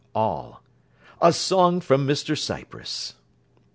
ALL A song from Mr Cypress.